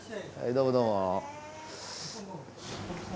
どうもどうも。